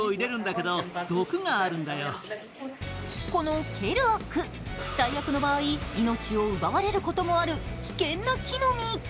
このケルアック最悪の場合、命を奪われることもある危険な木の実。